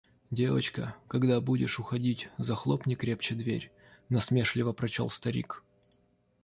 – «Девочка, когда будешь уходить, захлопни крепче дверь», – насмешливо прочел старик.